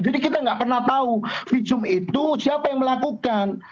jadi kita nggak pernah tahu visum itu siapa yang melakukan